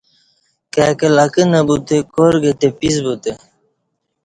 کای کہ لکہ نہ بوتہ کار گہ تے پیس بوتہ